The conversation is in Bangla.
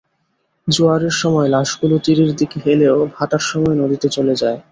জোয়ারের সময় লাশগুলো তীরের দিকে এলেও ভাটার সময় নদীতে চলে যায়।